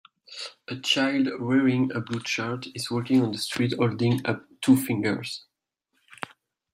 A child wearing a blue shirt is walking on the street holding up two fingers.